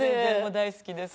大好きです。